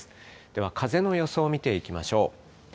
では、風の予想を見ていきましょう。